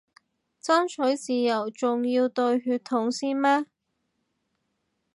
爭取自由仲要對血統先咩